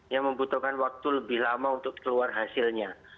yang membutuhkan waktu lebih lama untuk keluar hasilnya